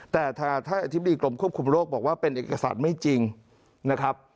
แต่ท่านอธิบดีกรมควบคุมโรคบอกว่าเป็นเอกสารไม่จริงนะครับ